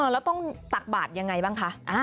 แล้วต้องตักบาทยังไงบ้างคะ